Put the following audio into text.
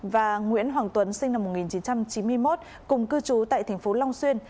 và nguyễn hoàng tuấn sinh năm một nghìn chín trăm chín mươi một cùng cư trú tại thành phố long xuyên